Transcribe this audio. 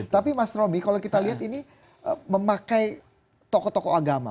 tapi mas roby kalau kita lihat ini memakai tokoh tokoh agama